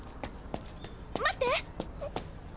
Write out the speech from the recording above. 待って！